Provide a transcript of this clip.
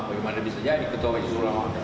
bagaimana bisa jadi ketua majelis ulama